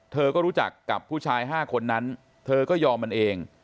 เธอก็รู้จักกับผู้ชาย๕คนนั้นเธอก็ยอมมันเอง